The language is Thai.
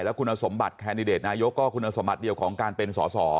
คุณสมบัติแคนดิเดตนายกก็คุณสมบัติเดียวของการเป็นสอสอ